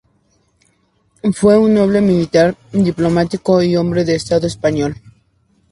Fue un noble, militar, diplomático y hombre de estado español.